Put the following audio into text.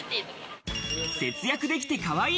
節約できて、かわいい！